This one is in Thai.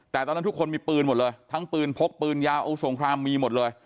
แต่ตอนนั้นทุกคนมีปืนหมดเลยทั้งปืนพกปืนยาวอาวุธสงครามมีหมดเลย